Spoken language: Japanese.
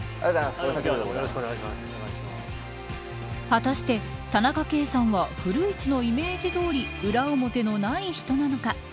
果たして、田中圭さんは古市のイメージどおり裏表のない人なのか。